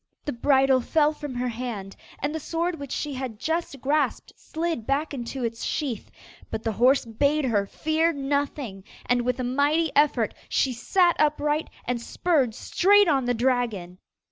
The bridle fell from her hand: and the sword which she had just grasped slid back into its sheath, but the horse bade her fear nothing, and with a mighty effort she sat upright and spurred straight on the dragon.